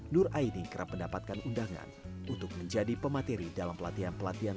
nur aini kerap mendapatkan undangan untuk menjadi pemateri dalam pelatihan pelatihan